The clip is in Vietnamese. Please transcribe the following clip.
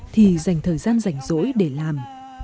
thì dành thời gian rảnh rỗi để làm